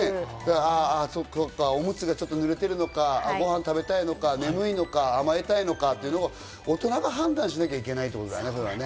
おむつがちょっと濡れてるのか、ご飯食べたいのか、眠いのか、甘えたいのかというのを大人が判断しなけいけないってことだね。